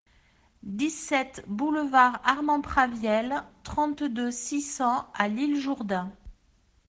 dix-sept boulevard Armand Praviel, trente-deux, six cents à L'Isle-Jourdain